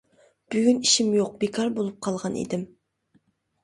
بۈگۈن ئىشىم يوق، بىكار بولۇپ قالغان ئىدىم.